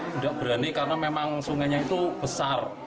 tidak berani karena memang sungainya itu besar